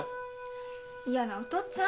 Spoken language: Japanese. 嫌なお父っつぁん。